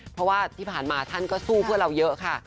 เพราะว่าที่ผ่านมาท่านก็สู้เพื่อเราเยอะค่ะ